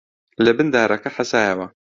لەبن دارەکە حەسایەوە